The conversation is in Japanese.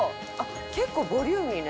結構ボリューミーね」